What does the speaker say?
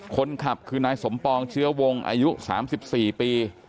คนขับคือนายสมปองเชื้อวงอายุ๓๔ปี